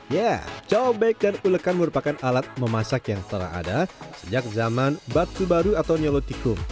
ya cobek dan ulekan merupakan alat memasak yang telah ada sejak zaman batubaru atau nyolotikum